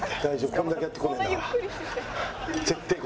これだけやって来ねえんだから。